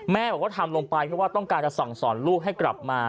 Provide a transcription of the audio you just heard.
บอกว่าทำลงไปเพราะว่าต้องการจะสั่งสอนลูกให้กลับมา